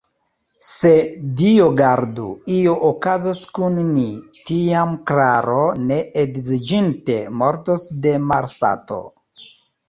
Se, Dio gardu, io okazos kun ni, tiam Klaro, ne edziniĝinte, mortos de malsato!